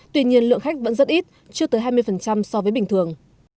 tuy nhiên lượng khách vẫn rất ít chưa tới hai mươi so với bình thường